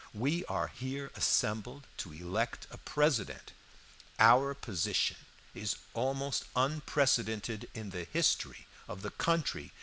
We are here assembled to elect a President. Our position is almost unprecedented in the history of the country.